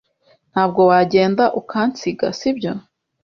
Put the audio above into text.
Ntabwo wagenda ukansiga, sibyo?